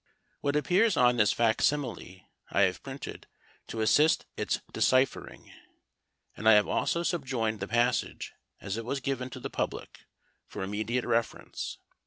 What appears on this Fac Simile I have printed, to assist its deciphering; and I have also subjoined the passage as it was given to the public, for immediate reference.